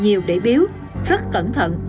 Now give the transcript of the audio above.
nhiều để biếu rất cẩn thận